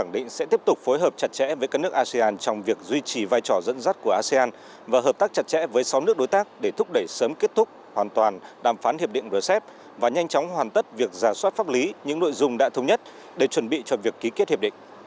định sẽ tiếp tục phối hợp chặt chẽ với các nước asean trong việc duy trì vai trò dẫn dắt của asean và hợp tác chặt chẽ với sáu nước đối tác để thúc đẩy sớm kết thúc hoàn toàn đàm phán hiệp định rcep và nhanh chóng hoàn tất việc giả soát pháp lý những nội dung đã thống nhất để chuẩn bị cho việc ký kết hiệp định